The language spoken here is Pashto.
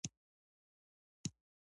ولې زموږ کلي ته نه راځې ته